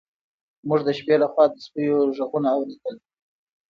موږ د شپې لخوا د سپیو غږونه اورېدل.